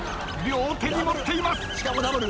両手に持っています。